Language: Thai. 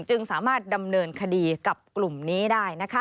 จึงสามารถดำเนินคดีกับกลุ่มนี้ได้